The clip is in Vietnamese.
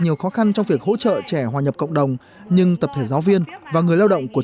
nhiều khó khăn trong việc hỗ trợ trẻ hòa nhập cộng đồng nhưng tập thể giáo viên và người lao động của